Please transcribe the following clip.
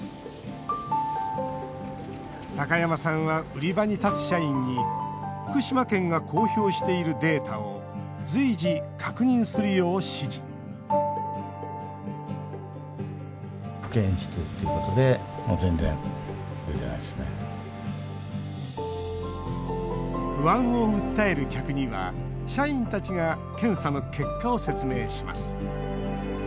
高山さんは売り場に立つ社員に福島県が公表しているデータを随時、確認するよう指示不安を訴える客には社員たちが検査の結果を説明します。